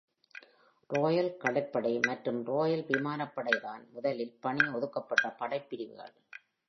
Royal கடற்படை மற்றும் royal விமானப் படை தான் முதலில் பணி ஒதுக்கப்பட்ட படைப் பிரிவுகள்.